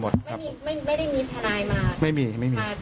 ไม่ได้มีทนายมา